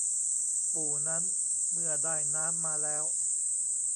ปู่นั้นเมื่อได้น้ำมาแล้ว